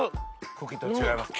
茎と違いますか？